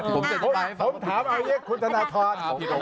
ผมถามอาเยกคุณธนาธรรม